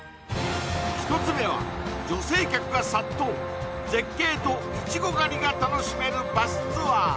１つ目は女性客が殺到絶景といちご狩りが楽しめるバスツアー